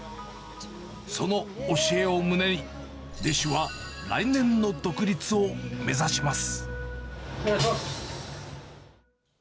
その教えを胸に、弟子は来年の独立を目指します。